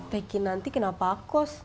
teh kinanti kenapa kos